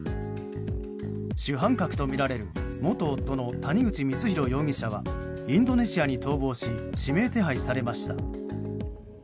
主犯格とみられる元夫の谷口光弘容疑者はインドネシアに逃亡し指名手配されました。